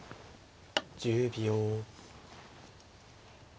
１０秒。